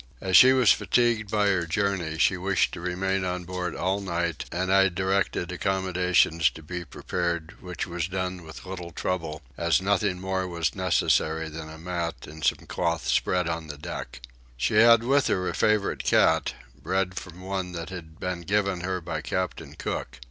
As she was fatigued by her journey she wished to remain on board all night, and I directed accommodations to be prepared, which was done with little trouble as nothing more was necessary than a mat and some cloth spread on the deck. She had with her a favourite cat, bred from one that had been given her by Captain Cook.